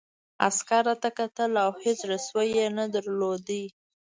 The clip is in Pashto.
عسکر راته کتل او هېڅ زړه سوی یې نه درلود